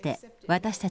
私たち